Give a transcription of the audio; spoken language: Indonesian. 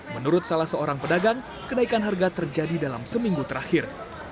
menurut salah seorang pedagang kenaikan harga terjadi dalam seminggu terakhir